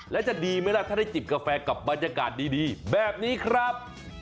แล้วจะดีไหมล่ะถ้าได้จิบกาแฟกับบรรยากาศดีแบบนี้ครับ